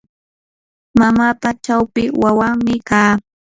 mamapa chawpi wawanmi kaa.